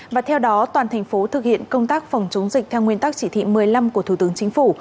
và theo đó toàn thành phố thực hiện công tác phòng chống dịch theo nguyên tắc chỉ thị một mươi năm của thủ tướng chính phủ